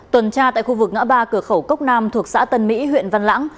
tuần tra tại khu vực ngã ba cửa khẩu cốc nam thuộc xã tân mỹ huyện văn lãng